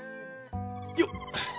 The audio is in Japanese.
よっ。